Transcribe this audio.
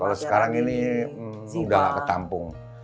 kalau sekarang ini udah gak ketampung